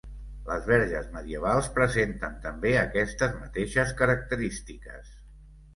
Les verges medievals presenten també aquestes mateixes característiques.